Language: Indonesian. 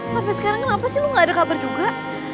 sampai sekarang kenapa sih lu gak ada kabar juga